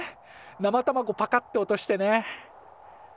生卵パカって落としてね。